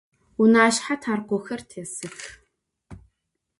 Vunaşshe tharkhoxer têsıx.